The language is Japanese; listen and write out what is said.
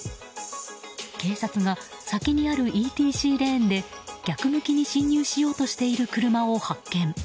警察が、先にあるＥＴＣレーンで逆向きに進入しようとしている車を発見。